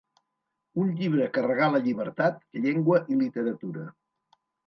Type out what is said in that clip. Un llibre que regala llibertat, llengua i literatura.